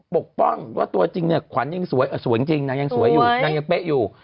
ปกป้องว่าตัวจริงเนี่ยขวัญยังสวยจริงนางยังสวยอยู่นางยังเป๊ะอยู่